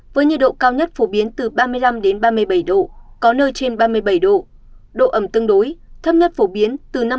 với nhiệt độ cao nhất phổ biến từ ba mươi năm ba mươi bảy độ có nơi trên ba mươi bảy độ độ ẩm tương đối thấp nhất phổ biến từ năm mươi